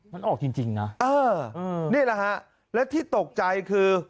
มันออกจริงนะเออนี่แหละฮะและที่ตกใจคือ